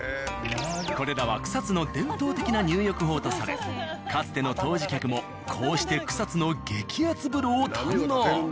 これらは草津の伝統的な入浴法とされかつての湯治客もこうして草津の激熱風呂を堪能。